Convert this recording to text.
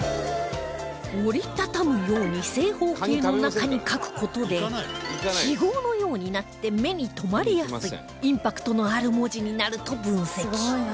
折り畳むように正方形の中に書く事で記号のようになって目に留まりやすいインパクトのある文字になると分析